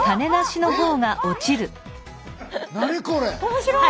面白い！